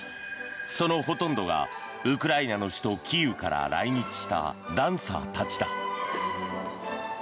そのほとんどがウクライナの首都キーウから来日したダンサーたちだ。